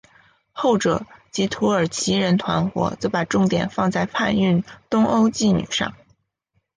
后者即土耳其人团伙则把重点放在贩运东欧妓女上。